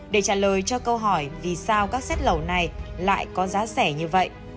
để trả lời cho câu hỏi vì sao các xét lẩu này lại có giá rẻ như vậy